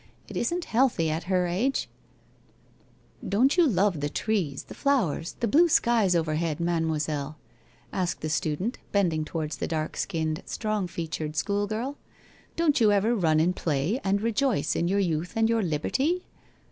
' It isn't healthy, at her age !'' Don't you love the trees, the flowers, the blue skies overhead, Mademoiselle ?' asked the student, bending towards the dark skinned, strong featured schoolgirl. ' Don't you ever run and play, and rejoice in your youth and your liberty